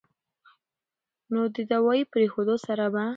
نو د دوائي پرېښودو سره به